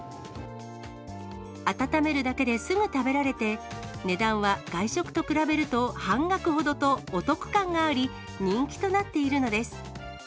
温めるだけですぐ食べられて、値段は外食と比べると半額ほどとお得感があり、人気となっているのです。